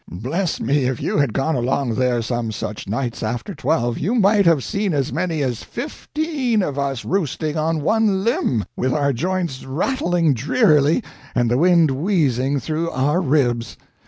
Bless me, if you had gone along there some such nights after twelve you might have seen as many as fifteen of us roosting on one limb, with our joints rattling drearily and the wind wheezing through our ribs!